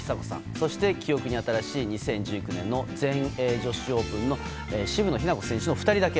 そして記憶に新しい２０１９年の全英女子オープンの渋野日向子選手の２人だけ。